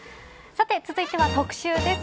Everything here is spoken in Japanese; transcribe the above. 続いては特集です。